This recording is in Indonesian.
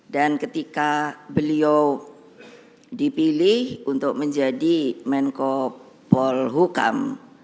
dan ketika beliau dipilih untuk menjadi menko polhukam